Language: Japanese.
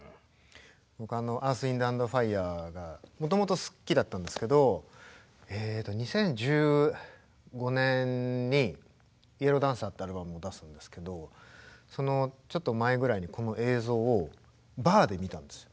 僕Ｅａｒｔｈ，Ｗｉｎｄ＆Ｆｉｒｅがもともと好きだったんですけど２０１５年に「ＹＥＬＬＯＷＤＡＮＣＥＲ」っていうアルバムを出すんですけどそのちょっと前ぐらいにこの映像をバーで見たんですよ。